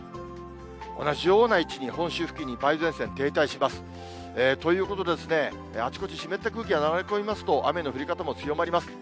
同じような位置に、本州付近に梅雨前線停滞します。ということでですね、あちこち湿った空気が流れ込みますと、雨の降り方も強まります。